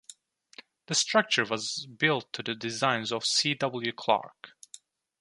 The structure was built to the designs of C. W. Clark.